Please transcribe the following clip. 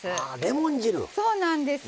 そうなんです